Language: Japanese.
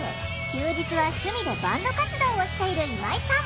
休日は趣味でバンド活動をしている今井さん。